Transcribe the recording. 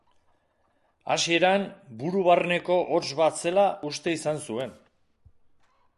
Hasieran buru barneko hots bat zela uste izan zuen.